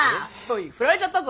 フラれちゃったぞ。